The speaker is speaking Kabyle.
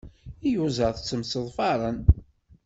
Izuyaḍ ttemseḍfaren.